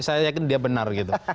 saya yakin dia benar gitu